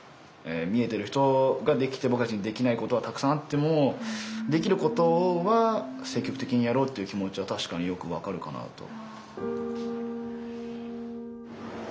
見えてる人ができて僕たちにできないことはたくさんあってもできることは積極的にやろうっていう気持ちは確かによく分かるかなと。